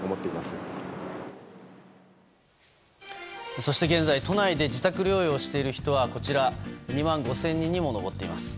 そして現在都内で自宅療養している人は２万５０００人にも上っています。